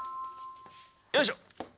よいしょ。